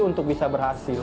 untuk bisa berhasil